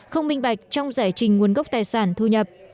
không minh bạch trong giải trình nguồn gốc tài sản thu nhập